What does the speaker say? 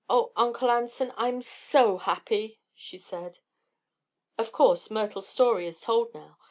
"Oh, Uncle Anson; I'm so happy!" she said. Of course Myrtle's story is told, now.